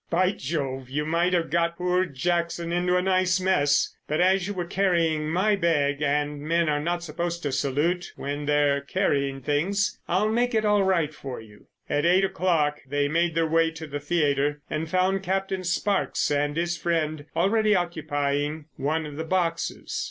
"By jove, you might have got poor Jackson into a nice mess! But as you were carrying my bag and men are not supposed to salute when they're carrying things, I'll make it all right for you." At eight o'clock they made their way to the theatre and found Captain Sparkes and his friend already occupying one of the boxes.